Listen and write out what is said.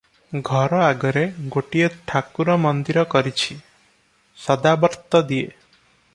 ଘର ଆଗରେ ଗୋଟିଏ ଠାକୁର ମନ୍ଦିର କରିଛି, ସଦାବର୍ତ୍ତ ଦିଏ ।